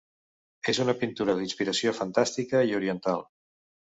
És una pintura d'inspiració fantàstica i oriental.